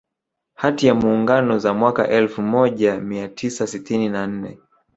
Hati za Muungano za mwaka elfu mojaia Tisa sitini na nne